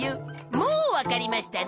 もうわかりましたね？